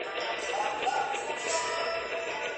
ما د یووالي په اړه یو نوی شعار جوړ کړی.